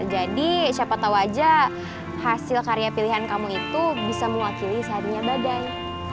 jadi siapa tau aja hasil karya pilihan kamu itu bisa mewakili seharinya badai